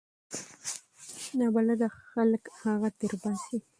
نابلده خلک هغه تیر باسي.